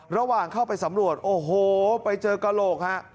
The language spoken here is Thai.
ระหว่างเข้าไปสำรวจโอ้โหไปเจอกระโหลกฮะ